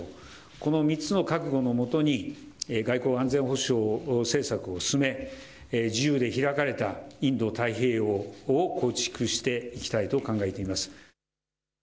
この３つの覚悟のもとに、外交・安全保障政策を進め、自由で開かれたインド太平洋を構築していきたいと考えています。